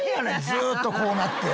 ずっとこうなって。